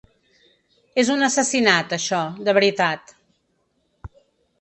És un assassinat, això, de veritat.